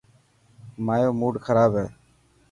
مايو موڊ کراب هي.